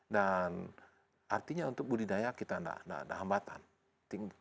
dan artinya untuk budidaya kita tidak ada hambatan